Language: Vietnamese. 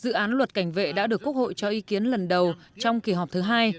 dự án luật cảnh vệ đã được quốc hội cho ý kiến lần đầu trong kỳ họp thứ hai